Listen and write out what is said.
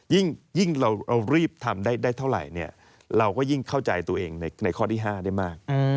ยิ่งเรารีบทำได้เท่าไหร่เราก็ยิ่งเข้าใจตัวเองในข้อที่๕ได้มาก